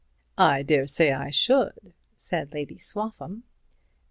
"I daresay I should," said Lady Swaffham.